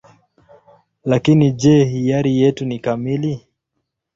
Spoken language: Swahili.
Lakini je, hiari yetu ni kamili?